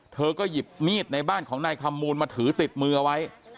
เธอก็หยิบมีดในบ้านของนายคำมูลมาถือติดมือเอาไว้